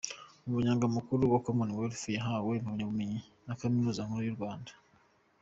Umunyamabanga Mukuru wa Commonwealth yahawe impamyabumenyi na Kaminuza Nkuru y’u Rwanda.